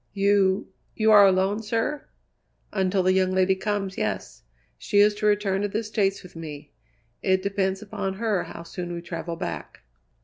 "You you are alone, sir?" "Until the young lady comes, yes. She is to return to the States with me. It depends upon her how soon we travel back."